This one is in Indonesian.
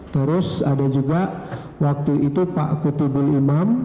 terus ada juga waktu itu pak kutibul imam